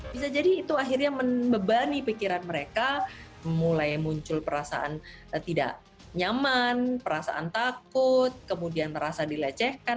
bisa jadi itu akhirnya membebani pikiran mereka mulai muncul perasaan tidak nyaman perasaan takut kemudian merasa dilecehkan